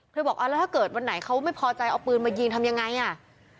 บอกอ่าแล้วถ้าเกิดวันไหนเขาไม่พอใจเอาปืนมายิงทำยังไงอ่ะ